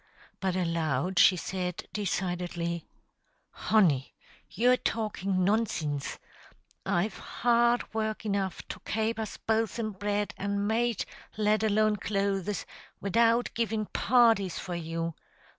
But aloud she said, decidedly: "Honey, you're talkin' nonsinse. I've hard work enough to kape us both in bread an' mate, let alone clothes, widout givin' parties for you.